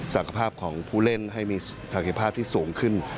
ศักภาพของผู้เล่นให้มีศักยภาพที่สูงขึ้น